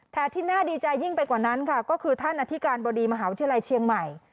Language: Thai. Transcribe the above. แต่ที่น่าดีใจยิ่งไปกว่านั้นค่ะก็คือท่านอธิการบดีมหาวิทยาลัยเชียงใหม่